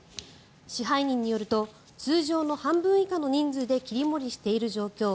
支配人によると通常の半分以下の人数で切り盛りしている状況。